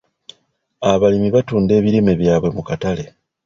Abalimi batunda ebirime byabwe mu katale.